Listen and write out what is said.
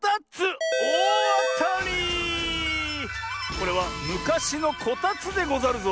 これはむかしのこたつでござるぞ。